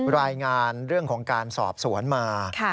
รายงานเรื่องของการสอบสวนมา